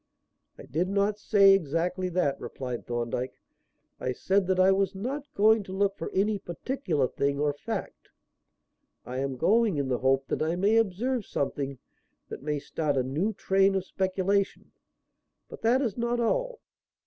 "I did not say exactly that," replied Thorndyke. "I said that I was not going to look for any particular thing or fact. I am going in the hope that I may observe something that may start a new train of speculation. But that is not all.